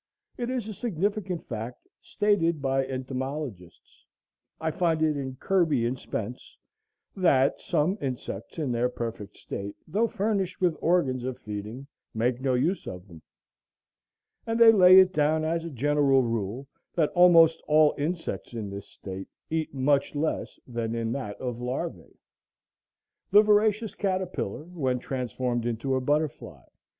It is a significant fact, stated by entomologists, I find it in Kirby and Spence, that "some insects in their perfect state, though furnished with organs of feeding, make no use of them;" and they lay it down as "a general rule, that almost all insects in this state eat much less than in that of larvæ. The voracious caterpillar when transformed into a butterfly